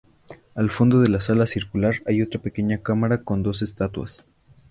Al fondo de la sala circular hay otra pequeña cámara con dos estatuas.